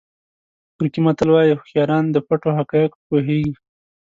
ترکي متل وایي هوښیاران د پټو حقایقو پوهېږي.